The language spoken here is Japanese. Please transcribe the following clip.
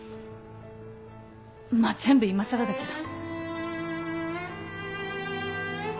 まあ全部いまさらだけど。